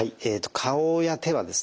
顔や手はですね